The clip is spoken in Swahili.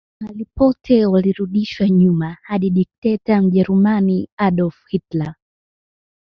Mahali pote walirudishwa nyuma hadi Dikteta Mjerumani Adolf Hitler